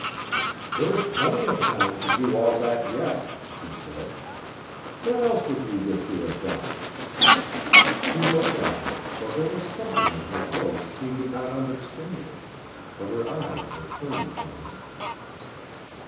"There is plenty of time to do all that yet," she said. "What else would you wish you had done?" He looked at her, for there was something in her voice he did not understand, but her eyes were turned from him.